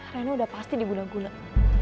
reno udah pasti digulang gulang